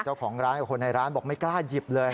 เจ้าของร้านกับคนในร้านบอกไม่กล้าหยิบเลย